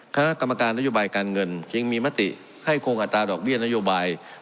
คณะกรรมการนโยบายการเงินจึงมีมติให้คงอัตราดอกเบี้ยนโยบาย